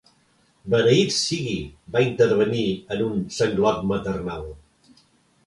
"Beneït sigui!" va intervenir amb un sanglot maternal.